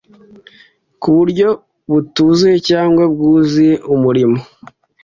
ku buryo butuzuye cyangwa bwuzuye umurimo